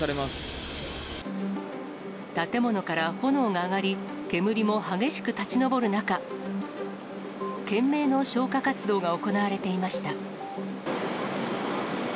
建物から炎が上がり、煙も激しく立ち上る中、懸命の消火活動が行われていました。